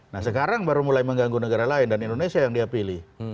nah sekarang baru mulai mengganggu negara lain dan indonesia yang dia pilih